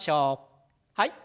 はい。